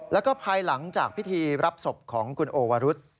แล้วก็ภายหลังจากพิธีรับศพของคุณโอวรุษ